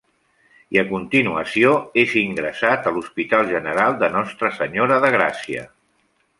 I a continuació és ingressat a l'Hospital General de Nostra Senyora de Gràcia.